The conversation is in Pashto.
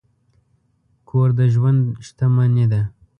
کور د ژوند شتمني ده.